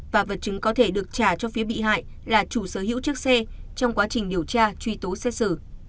và vật chứng có thể được trả cho phía bị hại là chủ sở hữu chiếc xe trong quá trình điều tra truy tố xét xử